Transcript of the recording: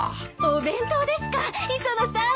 お弁当ですか磯野さん。